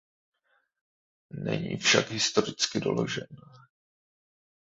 Není však historicky doložen.